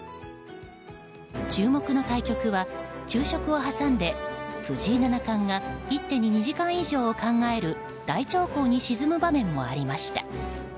注目の対局は昼食を挟んで藤井七冠が一手に２時間以上を考える大長考に沈む場面もありました。